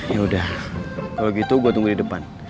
yaudah kalo gitu gue tunggu di depan